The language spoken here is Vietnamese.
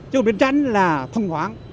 chứ bên trắng là thông thoáng